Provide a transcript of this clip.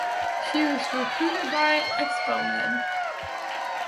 She was recruited by Expomed.